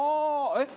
えっ？